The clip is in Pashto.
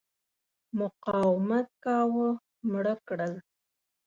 مقاومت کاوه مړه کړل.